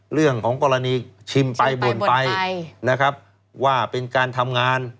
เรื่องของกรณีชิมไปบ่นไปนะครับว่าเป็นการทำงาน